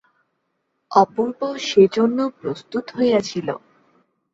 অপূর্ব সেজন্য প্রস্তুত হইয়া ছিল।